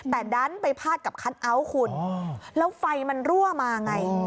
แต่ดันไปพาดกับคัทเอาท์คุณแล้วไฟมันรั่วมาไง